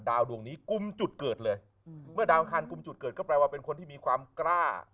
ดวงนี้กุมจุดเกิดเลยเมื่อดาวอังคารกลุ่มจุดเกิดก็แปลว่าเป็นคนที่มีความกล้า